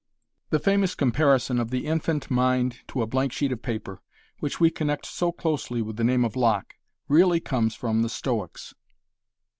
The famous comparison of the infant mind to a blank sheet of paper, which we connect so closely with the name of Locke, really comes from the Stoics.